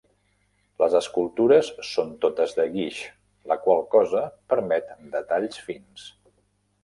Les escultures són totes de guix, la qual cosa permet detalls fins.